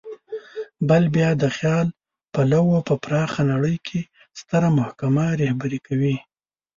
بل بیا د خیال پلو په پراخه نړۍ کې ستره محکمه رهبري کوي.